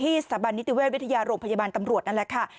ที่สถาบันนิติเวทยาฬพยาบาลตำรวจนั่นแหละค่ะ